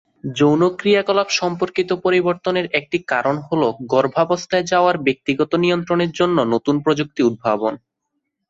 যৌন ক্রিয়াকলাপ সম্পর্কিত পরিবর্তনের একটি কারণ হ'ল গর্ভাবস্থায় যাওয়ার ব্যক্তিগত নিয়ন্ত্রণের জন্য নতুন প্রযুক্তি উদ্ভাবন।